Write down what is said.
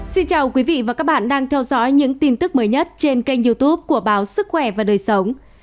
xin chào quý vị và các bạn đang theo dõi những tin tức mới nhất trên kênh youtube của báo sức khỏe và đời sống